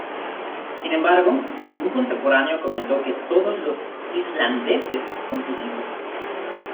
Sin embargo, un contemporáneo comentó que "todos los islandeses son sus hijos".